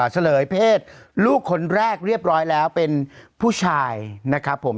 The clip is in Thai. เฉลยเพศลูกคนแรกเรียบร้อยแล้วเป็นผู้ชายนะครับผม